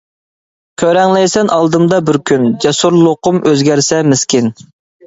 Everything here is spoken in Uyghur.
كۆرەڭلەيسەن ئالدىمدا بىر كۈن، جەسۇرلۇقۇم ئۆزگەرسە مىسكىن.